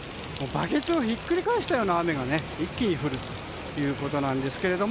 バケツをひっくり返したような雨が一気に降るということなんですが。